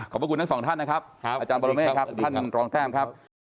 พระคุณทั้งสองท่านนะครับอาจารย์บรเมฆครับท่านรองแต้มครับ